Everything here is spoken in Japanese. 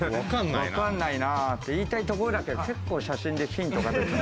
わかんないなって言いたいところだけど、写真でヒントが出てる。